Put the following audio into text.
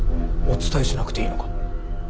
お伝えしなくていいのか。